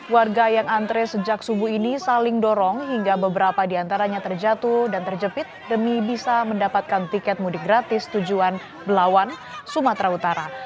warga yang antre sejak subuh ini saling dorong hingga beberapa diantaranya terjatuh dan terjepit demi bisa mendapatkan tiket mudik gratis tujuan belawan sumatera utara